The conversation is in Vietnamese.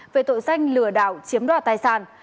về tội danh lừa đảo chiếm đoạt tài sản